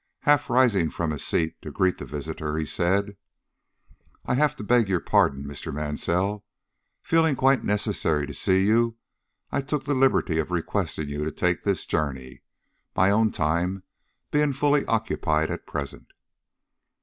Half rising from his seat to greet the visitor, he said: "I have to beg your pardon, Mr. Mansell. Feeling it quite necessary to see you, I took the liberty of requesting you to take this journey, my own time being fully occupied at present."